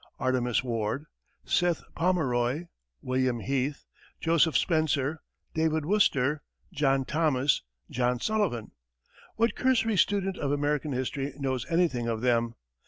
Artemas Ward, Seth Pomeroy, William Heath, Joseph Spencer, David Wooster, John Thomas, John Sullivan what cursory student of American history knows anything of them?